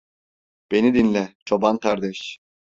Beni dinle, çoban kardeş.